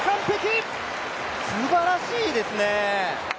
すばらしいですね。